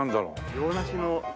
洋梨の。